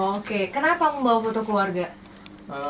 oke kenapa membawa foto keluarga